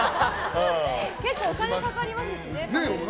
結構、お金がかかりますしね。